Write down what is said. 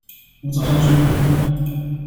我早上睡過頭了